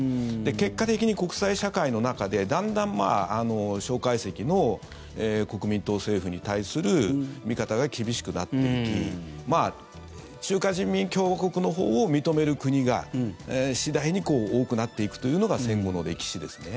結果的に国際社会の中でだんだん蒋介石の国民党政府に対する見方が厳しくなっていき中華人民共和国のほうを認める国が次第に多くなっていくというのが戦後の歴史ですね。